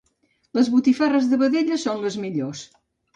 Les botifarres de vedella són les millors.